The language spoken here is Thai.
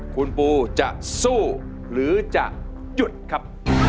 คุณปูจะสู้หรือจะหยุดครับ